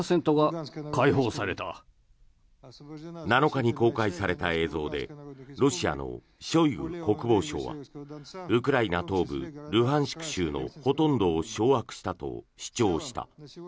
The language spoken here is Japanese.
７日に公開された映像でロシアのショイグ国防相はウクライナ東部ルハンシク州のほとんどを掌握したと主張した。